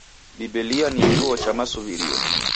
Biblia ni chuo cha masuw'irio.